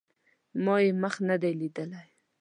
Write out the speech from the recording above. ما یې مخ نه دی لیدلی